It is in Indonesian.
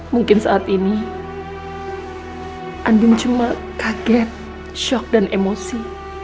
mungkin saat ini andin cuma kaget shock dan emosi